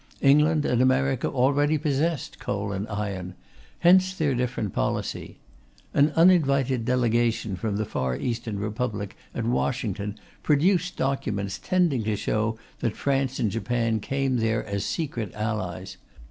England and America already possessed coal and iron; hence their different policy. An uninvited delegation from the Far Eastern Republic at Washington produced documents tending to show that France and Japan came there as secret allies.